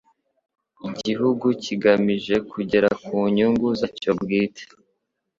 igihugu kigamije kugera ku nyungu zacyo bwite